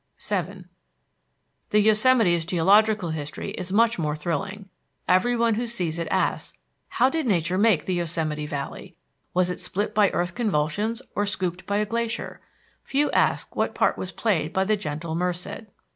VII The Yosemite's geological history is much more thrilling. Everyone who sees it asks, How did Nature make the Yosemite Valley? Was it split by earth convulsions or scooped by glacier? Few ask what part was played by the gentle Merced.